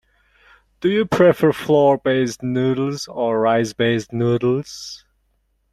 Do you prefer flour based noodles or rice based noodles?